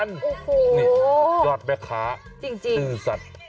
นี่ยอดมั้ยคะจริง